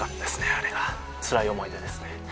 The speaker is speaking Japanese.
あれがつらい思い出ですね